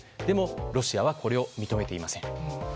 でも、ロシアはこれを認めていません。